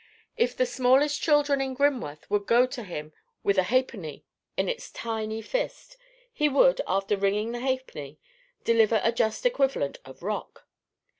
If the smallest child in Grimworth would go to him with a halfpenny in its tiny fist, he would, after ringing the halfpenny, deliver a just equivalent in "rock."